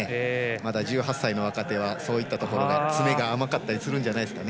まだ１８歳の若手はそういったところが詰めが甘かったりするんじゃないでしょうか。